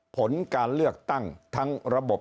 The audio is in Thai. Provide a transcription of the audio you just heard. ผลการเลือกตั้งทั้งระบบ